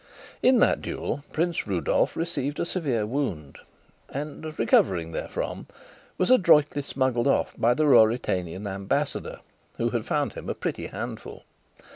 In that duel Prince Rudolf received a severe wound, and, recovering therefrom, was adroitly smuggled off by the Ruritanian ambassador, who had found him a pretty handful.